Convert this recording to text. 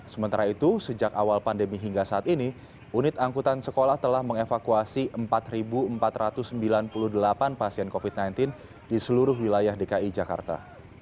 sementara itu sejak awal pandemi hingga saat ini unit angkutan sekolah telah mengevakuasi empat empat ratus sembilan puluh delapan pasien covid sembilan belas di seluruh wilayah dki jakarta